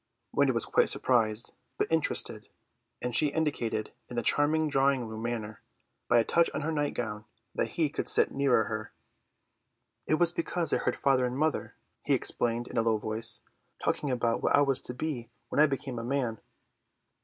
Wendy was quite surprised, but interested; and she indicated in the charming drawing room manner, by a touch on her night gown, that he could sit nearer her. "It was because I heard father and mother," he explained in a low voice, "talking about what I was to be when I became a man."